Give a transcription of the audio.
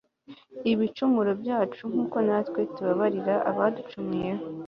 ibicumuro byacu, nk'uko natwe tubabarira abaducumuyeho